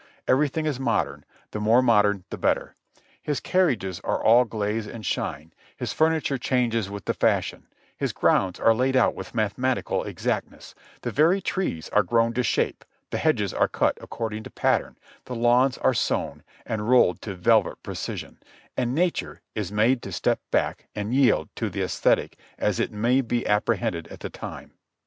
Everything is modern, the more modern the better. His carriages are all glaze and shine, his furniture changes with the fashion, his grounds are laid out with mathematical exactness, the very trees are grown to shape, the hedges are cut according to pattern, the lawns are sown and rolled to velvet precision, and Nature is made to step back and yield to the aesthetic as it may be apprehended at the time.